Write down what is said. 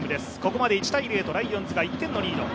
ここまで１−０とライオンズが１点のリード。